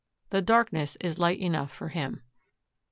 The darkness is light enough for him.